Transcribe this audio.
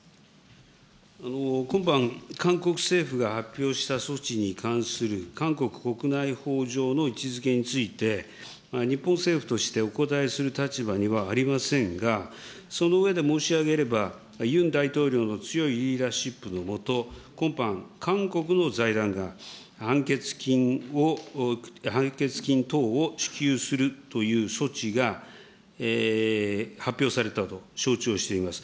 今般、韓国政府が発表した措置に関する韓国国内法上の位置づけについて、日本政府としてお答えする立場にはありませんが、その上で申し上げれば、ユン大統領の強いリーダーシップの下、今般、韓国の財団が判決金を、判決金等を支給するという措置が発表されたと承知をしております。